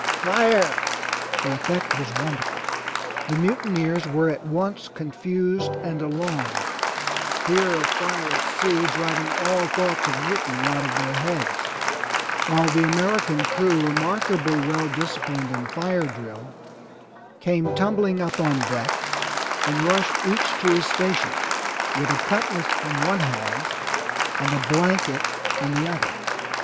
Fire!'' The effect was wonderful. The mutineers were at once confused and alarmed, fear of fire at sea driving all thoughts of mutiny out of their heads, while the American crew remarkably well disciplined in fire drill, came tumbling up on deck and rushed each to his station with a cutlass in one hand and a blanket in the other.